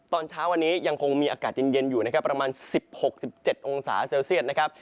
ตอนเช้าวันนี้ยังคงมีอากาศเย็นอยู่นะครับประมาณ๑๖๑๗องศาเซลเซียตนะครับ